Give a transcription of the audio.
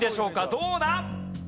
どうだ？